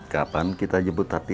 kapan kita jemput tapi